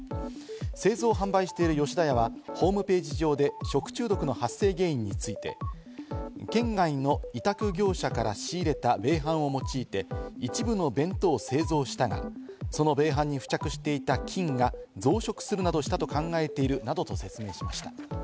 製造・販売している吉田屋はホームページ上で食中毒の発生原因について、県外の委託業者から仕入れた米飯を用いて、一部の弁当を製造したが、その米飯に付着していた菌が増殖するなどしたと考えているなどと説明しました。